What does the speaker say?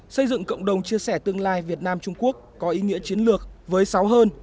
xây dựng cộng đồng chia sẻ tương lai việt nam trung quốc có ý nghĩa chiến lược với sáu hơn